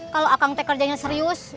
kalau akang teh kerjanya serius